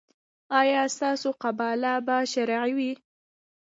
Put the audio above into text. ایا ستاسو قباله به شرعي وي؟